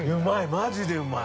マジでうまい。